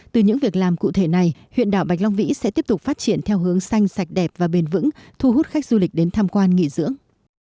từ những việc làm cụ thể này huyện đảo bạch long vĩ sẽ tiếp tục phát triển theo hướng xanh sạch đẹp và bền vững thu hút khách du lịch đến tham quan nghỉ dưỡng